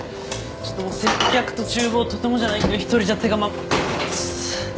ちょっともう接客とちゅう房とてもじゃないけど１人じゃ手が回熱っ。